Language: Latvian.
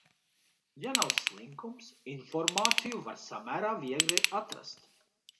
Ja nav slinkums, informāciju var samērā viegli atrast.